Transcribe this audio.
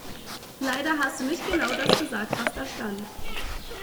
Leider hast du nicht genau das gesagt, was da stand.